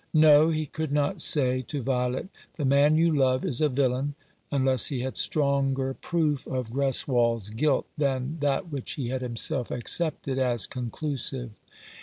No ; he could not say to Violet, " The man you love is a villain," unless he had stronger proof of Greswold's guilt than that which he had himself accepted as conclusive.